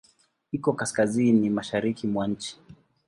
Iko Kaskazini mashariki mwa nchi.